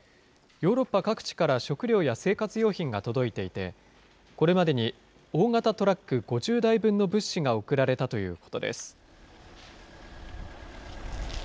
ヨーロッパ各地から食料や生活用品が届いていて、これまでに大型トラック５０台分の物資が送られたということです。